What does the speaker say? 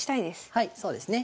はいそうですね。